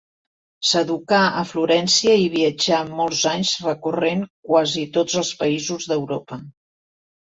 S'educà a Florència i viatjà molts anys recorrent quasi tots els països d'Europa.